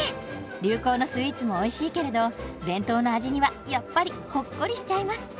流行のスイーツもおいしいけれど伝統の味にはやっぱりホッコリしちゃいます。